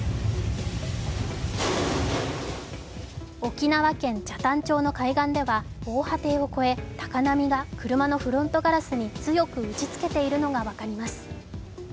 沖縄県北谷町の海岸では防波堤を超え高波が車のフロントガラスに強く打ちつけているのが分かります。